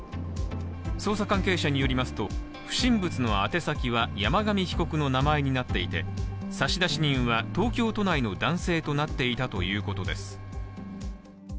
捜査関係者によりますと不審物の宛先は山上被告の名前になっていて、差出人は東京都内の男性となっていたということです。